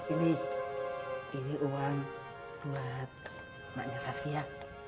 ini ini uang buat mbaknya saskia